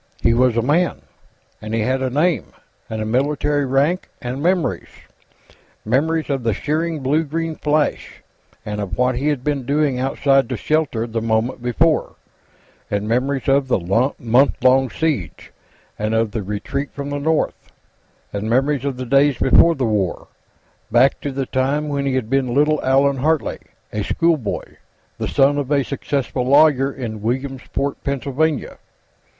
He was a man, and he had a name, and a military rank, and memories. Memories of the searing blue green flash, and of what he had been doing outside the shelter the moment before, and memories of the month long siege, and of the retreat from the north, and memories of the days before the War, back to the time when he had been little Allan Hartley, a schoolboy, the son of a successful lawyer, in Williamsport, Pennsylvania.